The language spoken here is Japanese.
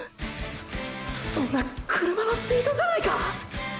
そんな車のスピードじゃないか！！